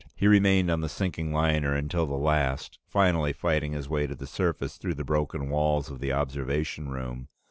He remained on the sinking liner until the last, finally fighting his way to the surface through the broken walls of the observation room.